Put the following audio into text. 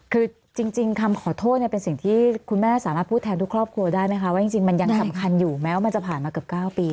คือจริงคำขอโทษเป็นสิ่งที่คุณแม่สามารถพูดแทนทุกครอบครัวได้ไหมคะว่าจริงมันยังสำคัญอยู่แม้ว่ามันจะผ่านมาเกือบ๙ปี